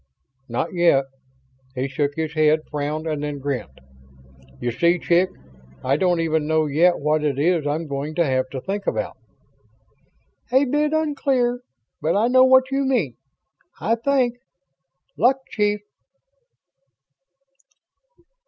"Not yet." He shook his head, frowned and then grinned. "You see, chick, I don't even know yet what it is I'm going to have to think about." "A bit unclear, but I know what you mean I think. Luck, chief."